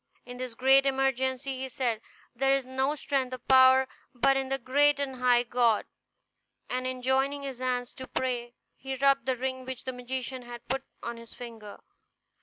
In this great emergency he said, "There is no strength or power but in the great and high God"; and in joining his hands to pray he rubbed the ring which the magician had put on his finger.